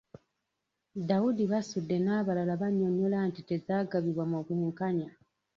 Daudi Basudde n'abalala bannyonnyola nti tezaagabibwa mu bwenkanya.